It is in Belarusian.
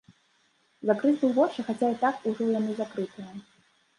Закрыць бы вочы, хаця і так ужо яны закрытыя.